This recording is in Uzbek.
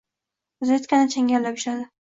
Rozetkani changallab ushladi.